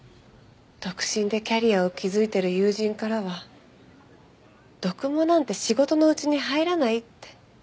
独身でキャリアを築いてる友人からは読モなんて仕事のうちに入らないって。